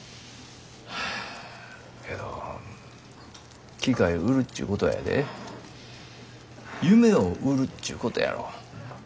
けど機械売るっちゅうことはやで夢を売るっちゅうことやろ。